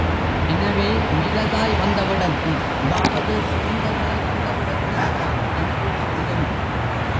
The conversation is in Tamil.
எனவே மேலதாய் வந்தவிடத்து, அதாவது சிறந்ததாய் வந்தவிடத்துத்தான் அன்பு செல்லும்.